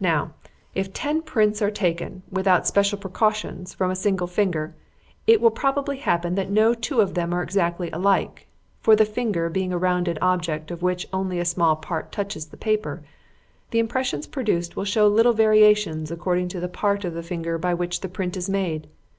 Now, if ten prints are taken, without special precautions, from a single finger, it will probably happen that no two of them are exactly alike; for the finger being a rounded object of which only a small part touches the paper, the impressions produced will show little variations according to the part of the finger by which the print is made.